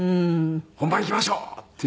「本番いきましょう」っていう。